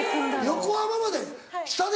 横浜まで下で？